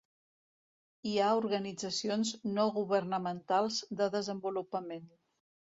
Hi ha organitzacions no governamentals de desenvolupament.